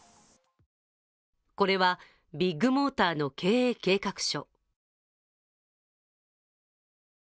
これは、ビッグモーターの経営計画書。